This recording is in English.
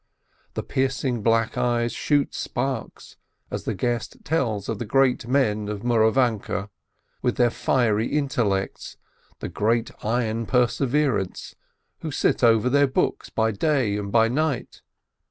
The piercing black eyes shoot sparks, as the guest tells of the great men of Mouravanke, with their fiery intellects, their iron per severance, who sit over their books by day and by night.